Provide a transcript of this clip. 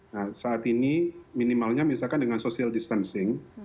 nah saat ini minimalnya misalkan dengan social distancing